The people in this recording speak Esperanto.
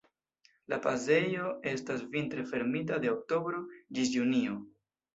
La pasejo estas vintre fermita de oktobro ĝis junio.